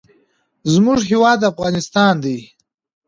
زموږ هیواد افغانستان دی.